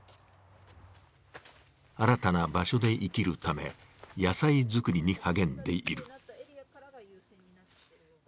新たな場所で生きるため野菜作りに励んでいる。